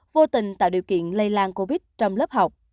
vô tình tạo điều kiện lây lan covid trong lớp học